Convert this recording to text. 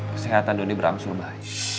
kesehatan doni berangsur baik